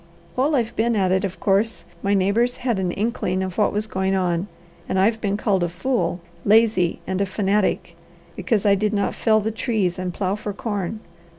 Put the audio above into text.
While I've been at it, of course, my neighbours had an inkling of what was going on, and I've been called a fool, lazy, and a fanatic, because I did not fell the trees and plow for corn.